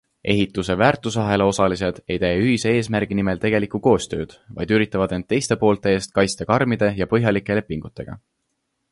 Ehituse väärtusahela osalised ei tee ühise eesmärgi nimel tegelikku koostööd, vaid üritavad end teiste poolte eest kaitsta karmide ja põhjalike lepingutega.